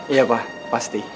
iya pak pasti